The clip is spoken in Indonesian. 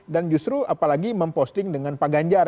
justru apalagi memposting dengan pak ganjar